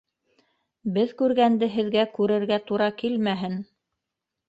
Беҙ күргәнде һеҙгә күрергә тура килмәһен.